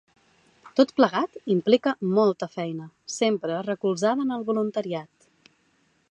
Tot plegat implica molta feina, sempre recolzada en el voluntariat.